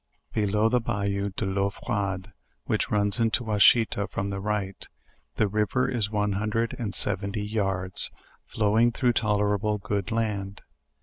Below the "Bayou de Peau froide," which runs into the Washita from the right, .the river is one hundred and seven ty yards, flowing through tolerable good land.